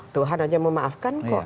tuhan saja memaafkan kok